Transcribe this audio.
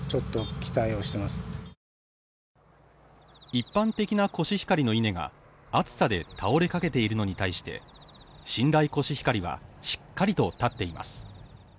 一般的なコシヒカリの稲が暑さで倒れかけているのに対して新大コシヒカリは、しっかりと立っています。